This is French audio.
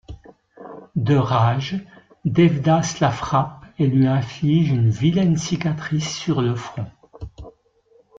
De rage, Devdas la frappe et lui inflige une vilaine cicatrice sur le front.